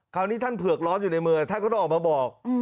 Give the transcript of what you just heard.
คราวนี้ท่านเผือกร้อนอยู่ในมือท่านก็ต้องออกมาบอก